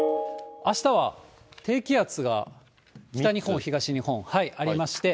あしたは低気圧が北日本、東日本ありまして、